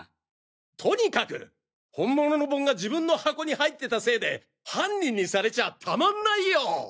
とにかく本物の盆が自分の箱に入ってたせいで犯人にされちゃたまんないよ！